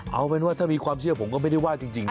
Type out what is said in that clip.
เอาเป็นว่าถ้ามีความเชื่อผมก็ไม่ได้ว่าจริงนะ